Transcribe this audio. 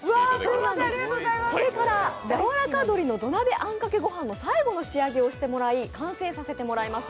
これからやわらか鶏の土鍋あんかけ御飯の最後の仕上げをしてもらい完成させてもらいます。